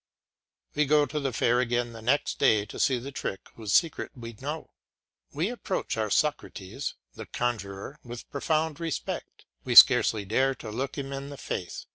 We go to the fair again the next day to see the trick whose secret we know. We approach our Socrates, the conjuror, with profound respect, we scarcely dare to look him in the face.